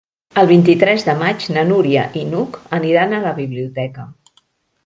El vint-i-tres de maig na Núria i n'Hug aniran a la biblioteca.